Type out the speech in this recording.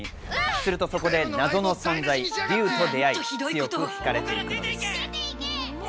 するとそこで謎の存在、竜と出会い、強く惹かれていく。